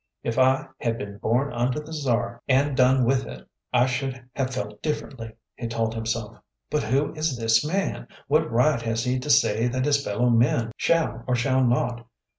"If I had been born under the Czar, and done with it, I should have felt differently," he told himself. "But who is this man? What right has he to say that his fellow men shall or shall not?